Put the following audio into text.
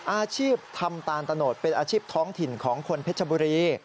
อาชีพทำตาลตะโนดเป็นอาชีพท้องถิ่นของคนเพชรบุรี